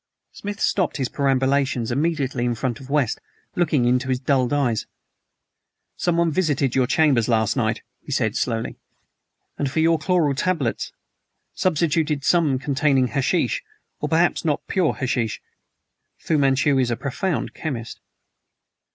Smith stopped his perambulations immediately in front of West, looking into his dulled eyes. "Someone visited your chambers last night," he said slowly, "and for your chloral tabloids substituted some containing hashish, or perhaps not pure hashish. Fu Manchu is a profound chemist."